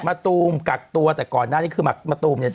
ตูมกักตัวแต่ก่อนหน้านี้คือมะตูมเนี่ย